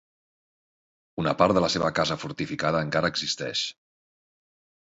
Una part de la seva casa fortificada encara existeix.